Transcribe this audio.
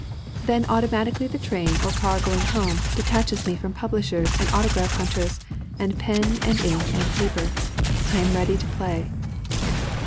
"Then automatically the train or car going home detaches me from publishers and autograph hunters and pen and ink and paper. I am ready to play."